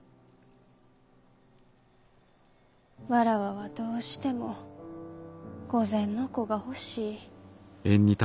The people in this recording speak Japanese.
妾はどうしても御前の子が欲しい。